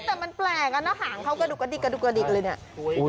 แต่มันแปลกนะหางเขากระดูกกระดิกเลยเนี่ย